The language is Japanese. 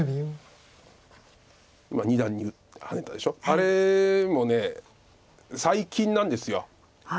あれも最近なんです。